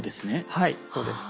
はいそうです。